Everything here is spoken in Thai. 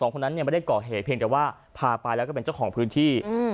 คนนั้นไม่ได้ก่อเหตุเพียงแต่ว่าพาไปแล้วก็เป็นเจ้าของพื้นที่